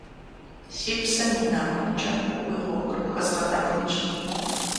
Си псэм и нэхумкӏэ, уи гъуэгур пхуэзгъэнэхунщ.